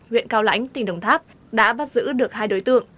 huyện cao lãnh tỉnh đồng tháp đã bắt giữ được hai đối tượng